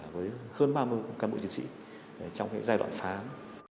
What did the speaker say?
với hơn ba mươi cán bộ chiến sĩ trong giai đoạn phá